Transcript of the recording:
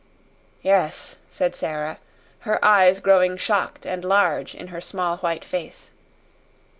"Yes," said Sara, her eyes growing shocked and large in her small white face.